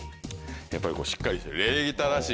やっぱりしっかりしてる礼儀正しい。